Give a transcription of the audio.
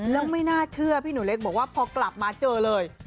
แล้วไม่น่าเชื่อพี่หนูเล็กบอกว่าพอกลับมาเจอเลย